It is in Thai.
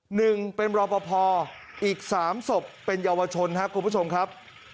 หนึ่งเป็นรอปภอีกสามศพเป็นเยาวชนครับคุณผู้ชมครับ